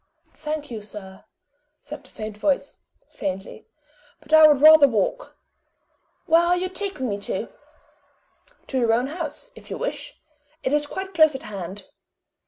"Thank you, sir," said the faint voice, faintly; "but I would rather walk. Where are you taking me to?" "To your own house, if you wish it is quite close at hand."